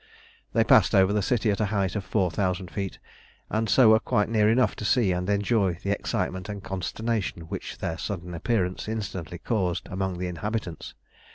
They passed over the city at a height of four thousand feet, and so were quite near enough to see and enjoy the excitement and consternation which their sudden appearance instantly caused among the inhabitants.